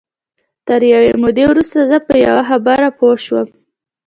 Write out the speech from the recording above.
تر یوې مودې وروسته زه په یوه خبره پوه شوم